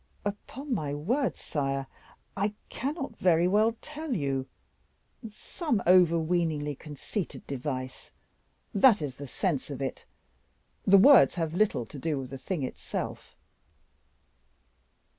"Upon my word, sire, I cannot very well tell you some overweeningly conceited device that is the sense of it; the words have little to do with the thing itself."